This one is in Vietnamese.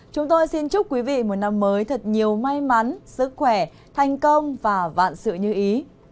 chúng tôi xin chúc quý vị một năm mới thật nhiều may mắn sức khỏe thành công và vạn sự như ý